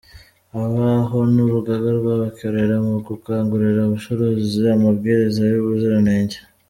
Baho n’Urugaga rw’abikorera mu gukangurira abacuruzi amabwiriza y’ubuziranenge